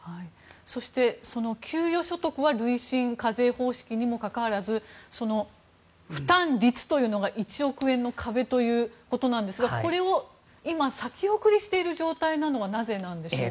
そして、給与所得は累進課税方式にもかかわらず負担率というのが１億円の壁ということなんですがこれを今先送りしている状態なのはなぜなんでしょうか。